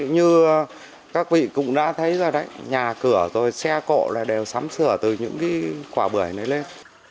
như các vị cũng đã thấy rồi đấy nhà cửa xe cộ đều sắm sửa từ những quả bưởi này lên